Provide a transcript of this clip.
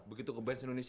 begitu ke bench indonesia